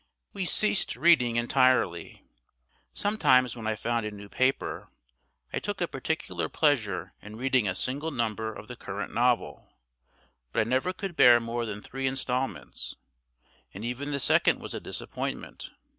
We ceased reading entirely. Sometimes when I found a new paper, I took a particular pleasure in reading a single number of the current novel; but I never could bear more than three instalments; and even the second was a disappointment.